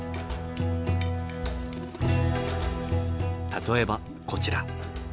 例えばこちら。